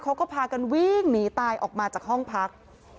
เขาก็พากันวิ่งหนีตายออกมาจากห้องพัก